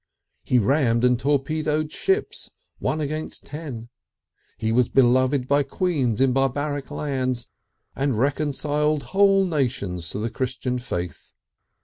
He rammed and torpedoed ships, one against ten. He was beloved by queens in barbaric lands, and reconciled whole nations to the Christian faith.